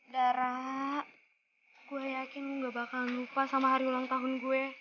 dara gue yakin gue gak bakal lupa sama hari ulang tahun gue